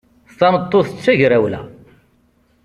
Tameṭṭut d tagrawla.